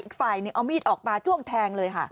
อีกฝ่ายนึงเอามีดออกมาจ้วงแทงเลยค่ะ